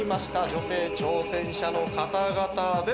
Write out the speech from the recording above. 女性挑戦者の方々です。